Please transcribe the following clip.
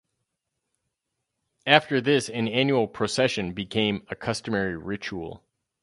After this an annual procession became a customary ritual.